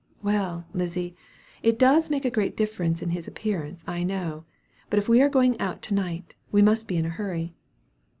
"Well, Lizzy, it does make a great difference in his appearance, I know; but if we are going out to night, we must be in a hurry."